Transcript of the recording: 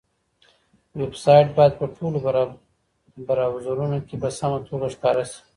ویب سایټ باید په ټولو براوزرونو کې په سمه توګه ښکاره شي.